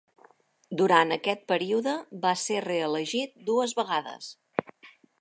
Durant aquest període va ser reelegit dues vegades.